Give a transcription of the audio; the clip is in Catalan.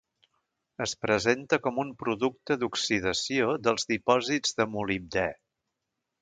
Es presenta com un producte d'oxidació dels dipòsits de molibdè.